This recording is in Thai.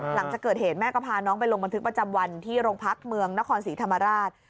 หลังจากเกิดเหตุแม่ก็พาน้องไปลงบันทึกประจำวันที่โรงพักเมืองนครศรีธรรมราช